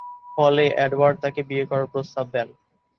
ফলে এডওয়ার্ড তাকে বিয়ে করার প্রস্তাব দেন।